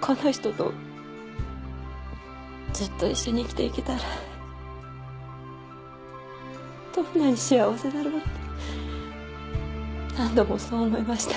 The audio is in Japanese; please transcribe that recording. この人とずっと一緒に生きていけたらどんなに幸せだろうって何度もそう思いました。